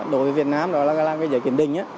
đối với việt nam đó là cái giấy kiểm đình á